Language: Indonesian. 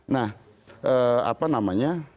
nah apa namanya